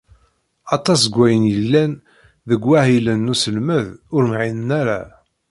Aṭas n wayen yellan deg wahilen n uselmed ur mɛinen ara.